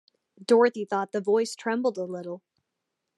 Dorothy thought the Voice trembled a little.